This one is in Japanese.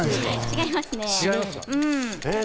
違いますね。